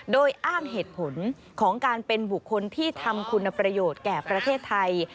โดยอ้างเหตุผลของการเป็นบุคคลที่ทำคุณประโยชน์แก่ประเทศไทย